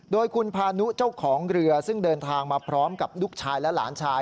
โดยคุณพานุเจ้าของเรือซึ่งเดินทางมาพร้อมกับลูกชายและหลานชาย